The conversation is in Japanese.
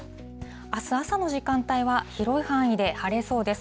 あす朝の時間帯は広い範囲で晴れそうです。